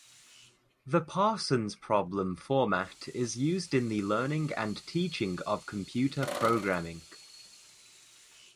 The Parsons problem format is used in the learning and teaching of computer programming.